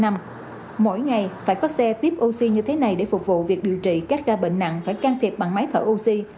mỗi ngày phải có xe tiếp oxy như thế này để phục vụ việc điều trị các ca bệnh nặng phải can thiệp bằng máy thở oxy